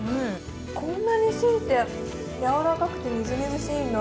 こんなに芯ってやわらかくてみずみずしいんだ。